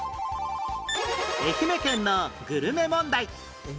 愛媛県のグルメ問題